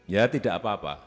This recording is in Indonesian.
ya tidak apa apa